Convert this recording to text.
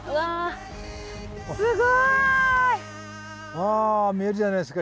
わあ見えるじゃないですか。